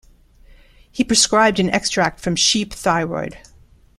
He prescribed an extract from sheep thyroid.